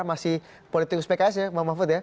masih politikus pks ya bang mahfud ya